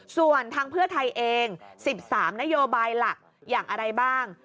ส่วนทางเพื่อไทยเอง๑๓นโยบายหลักอย่างอะไรบ้าง